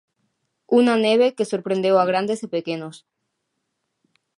Unha neve que sorprendeu a grandes e pequenos.